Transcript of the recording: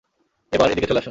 এবার, এদিকে চলে আসুন।